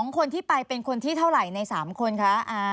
คนที่ไปเป็นคนที่เท่าไหร่ใน๓คนคะ